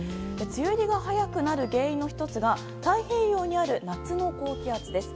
梅雨入りが早くなる原因の１つが太平洋にある夏の高気圧です。